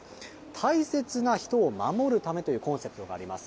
大切な人を守るためというコンセプトがあります。